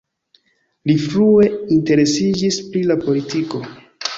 Li frue interesiĝis pri la politiko.